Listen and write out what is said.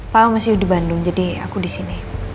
pa masih di bandung jadi aku di sini